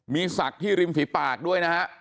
มีศักดิ์ที่ริมฝีปากด้วยนะฮะ